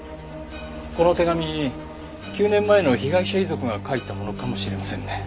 この手紙９年前の被害者遺族が書いたものかもしれませんね。